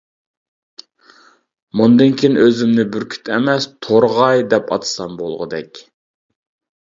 مۇندىن كېيىن ئۆزۈمنى بۈركۈت ئەمەس، تورغاي دەپ ئاتىسام بولغۇدەك!